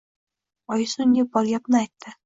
Oyisi unga bor gapni aytdi